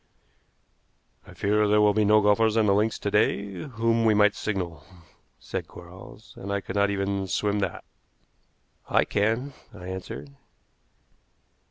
"I fear there will be no golfers on the links to day to whom we might signal," said Quarles; "and I could not even swim that." "I can," I answered.